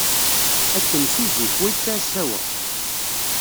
Akken si zik, wa yettɛassa wa.